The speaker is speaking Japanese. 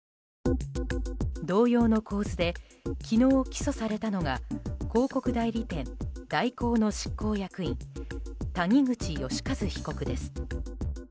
同様の構図で昨日、起訴されたのが広告代理店・大広の執行役員谷口義一被告です。